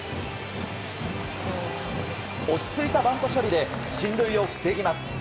落ち着いたバント処理で進塁を防ぎます。